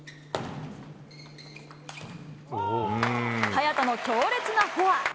早田の強烈なフォア。